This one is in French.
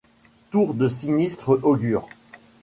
Tours de sinistre augure